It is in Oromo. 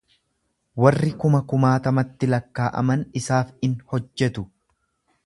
warri kuma kumaatamatti lakkaa'aman isaaf in hojjetu,